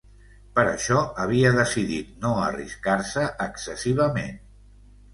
Per això havia decidit no arriscar-se excessivament...